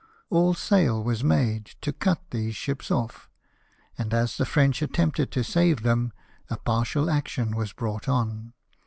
All sail was made to cut these ships off ; and as the French attempted to save them, a partial action was brought on.